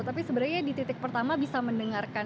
tapi sebenarnya di titik pertama bisa mendengarkan